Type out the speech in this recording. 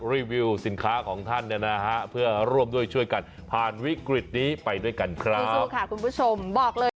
รีวิวสินค้าของท่านนะฮะเพื่อร่วมด้วยช่วยกันผ่านวิกฤตนี้ไปด้วยกันครับ